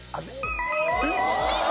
お見事！